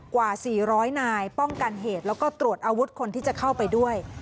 กว่า๔๐๐นายป้องกันเหตุแล้วก็ตรวจอาวุธคนที่จะเข้าไปด้วย